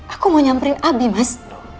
aku mau nyamperin abi mas